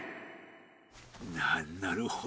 ななるほど。